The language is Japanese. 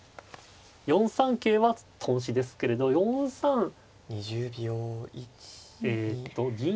４三桂は頓死ですけれど４三えと銀？